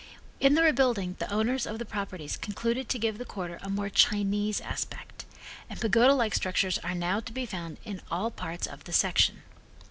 In the rebuilding the owners of the properties concluded to give the quarter a more Chinese aspect and pagoda like structures are now to be found in all parts of the section.